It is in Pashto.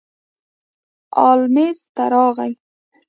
ال میز ته راغی.